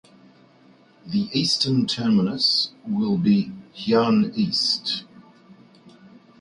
The eastern terminus will be Heyuan East.